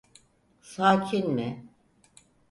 Sakin mi?